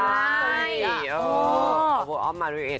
เอาบทอฟต์มาเรียกเองเนอะ